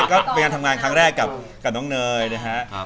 ก็เป็นการทำงานครั้งแรกกับน้องเนยนะครับ